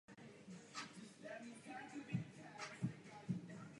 Zajistím, abyste odpověď obdrželi co nejdříve.